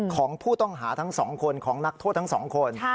ของผู้ต้องหาทั้ง๒คนของนักโทษทั้ง๒คน